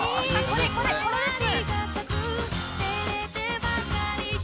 これこれこれです。